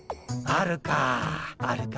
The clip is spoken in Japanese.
あるか。